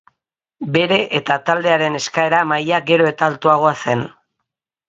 Bere eta taldearen eskaera maila gero eta altuagoa zen.